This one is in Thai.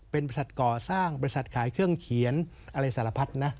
เป็นบริษัทก่อสร้างบริษัทขายเครื่องเขียนอะไรสารพัดนะ